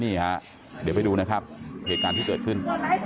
นี่ฮะเดี๋ยวไปดูนะครับเหตุการณ์ที่เกิดขึ้น